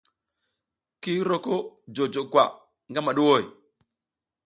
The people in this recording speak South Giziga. Ki roko jojo ko gamaɗuʼhoy?